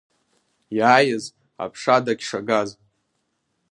Иааиз, аԥша дагьшагаз.